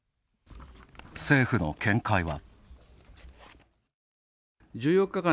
政府の見解は。